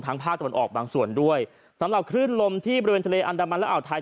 ภาคตะวันออกบางส่วนด้วยสำหรับคลื่นลมที่บริเวณทะเลอันดามันและอ่าวไทย